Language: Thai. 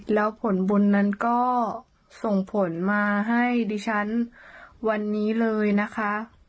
แล้วผลบุญนั้นก็ส่งผลมาให้ดิฉันวันนี้เลยนะคะ